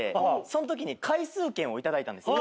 そんときに回数券を頂いたんです。